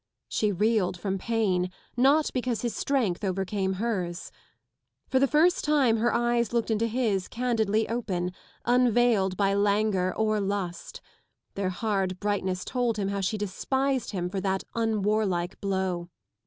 She reeled from pain, not because his strength overcame hers. For the first time her eyes looked into his candidly open, unveiled by languor or lust : their hard brightness told him how she despised him for that unwarlike blow.